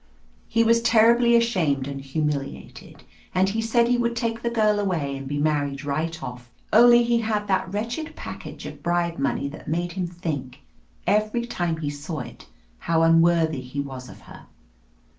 He was terribly ashamed and humiliated, and he said he would take the girl away and be married right off, only he had that wretched package of bribe money that made him think, every time he saw it, how unworthy he was of her!